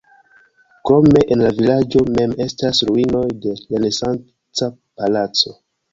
Krome en la vilaĝo mem estas ruinoj de renesanca palaco.